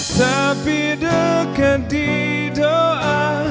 tapi dekat di doa